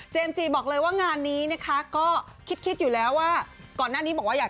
เจมส์จีบอกเลยว่างานนี้นะคะก็คิดอยู่แล้วว่า